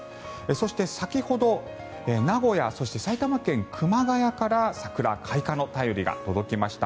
そして、先ほど名古屋、そして埼玉県熊谷から桜開花の便りが届きました。